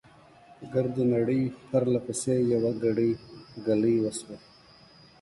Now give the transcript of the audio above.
په ګرده نړۍ، پرله پسې، يوه ګړۍ، ګلۍ وشوه .